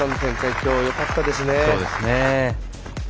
きょうはよかったですね。